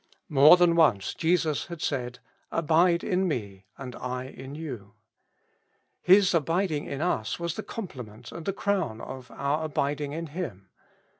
More than once Jesus had said, " Abide in me and I in you^ His abiding in us was the complement and the crown of our abiding in Him.